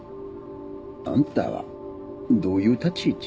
あんたはどういう立ち位置？